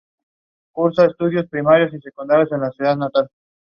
The northern wing was the residence of the royal family.